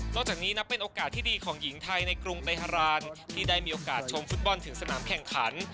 จากนี้นับเป็นโอกาสที่ดีของหญิงไทยในกรุงเบฮารานที่ได้มีโอกาสชมฟุตบอลถึงสนามแข่งขัน